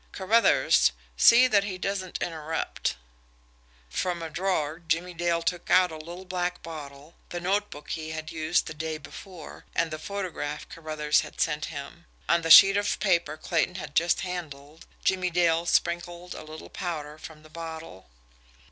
Carruthers, see that he doesn't interrupt." From a drawer, Jimmie Dale took out a little black bottle, the notebook he had used the day before, and the photograph Carruthers had sent him. On the sheet of paper Clayton had just handled, Jimmie Dale sprinkled a little powder from the bottle.